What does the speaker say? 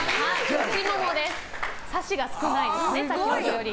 さしが少ないですね、先ほどより。